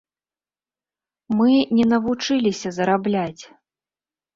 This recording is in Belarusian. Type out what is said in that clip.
Мы не навучыліся зарабляць.